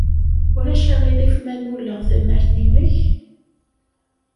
Ulac aɣilif ma nnuleɣ tamart-nnek?